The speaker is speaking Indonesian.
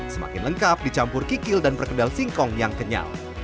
semakin lengkap dicampur kikil dan perkedel singkong yang kenyal